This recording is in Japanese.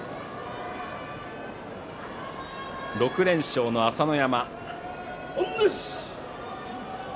６連勝の朝乃山。